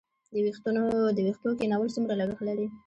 د ویښتو کینول څومره لګښت لري؟